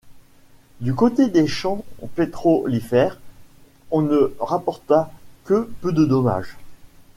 Du côté des champs pétrolifères, on ne rapporta que peu de dommages.